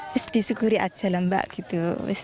bisa disyukuri aja lah mbak gitu